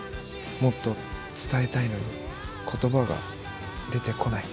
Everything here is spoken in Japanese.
もっと伝えたいのに言葉が出てこない。